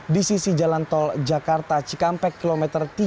di sisi jalan tol jakarta cikampek km tiga ribu dua ratus